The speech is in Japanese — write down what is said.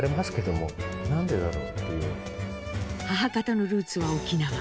母方のルーツは沖縄。